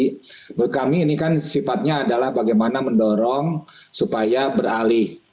menurut kami ini kan sifatnya adalah bagaimana mendorong supaya beralih